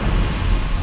cita saten torah